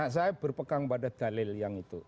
saya berpegang pada dalil yang itu